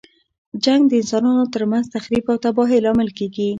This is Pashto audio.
جنګ د انسانانو تر منځ تخریب او تباهۍ لامل کیږي.